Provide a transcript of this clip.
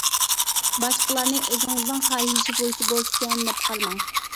باشقىلارنى ئۆزىڭىزنىڭ خاھىشى بويىچە بولسىكەن، دەپ قارىماڭ.